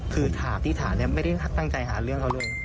คือถามที่ถามไม่ได้ตั้งใจหาเรื่องเขาเลย